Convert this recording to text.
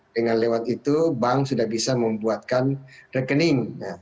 dengan lewat itu bank sudah bisa membuatkan rekening